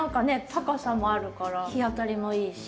高さもあるから日当たりもいいし。